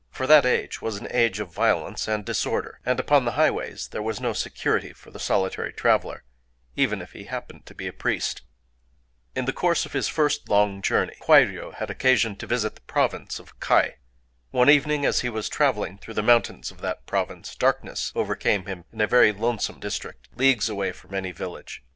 For that age was an age of violence and disorder; and upon the highways there was no security for the solitary traveler, even if he happened to be a priest. In the course of his first long journey, Kwairyō had occasion to visit the province of Kai. (1) One evening, as he was traveling through the mountains of that province, darkness overcame him in a very lonesome district, leagues away from any village.